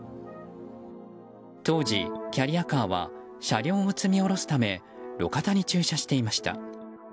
当時、キャリアカーは車両を積み下ろすため路肩に駐車していました。